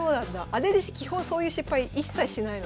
姉弟子基本そういう失敗一切しないので。